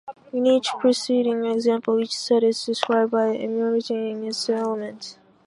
In each preceding example, each set is described by enumerating its elements.